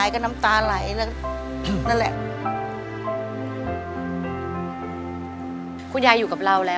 ขอบคุณครับ